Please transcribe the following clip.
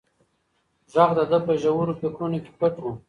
غږ د ده په ژورو فکرونو کې پټ و.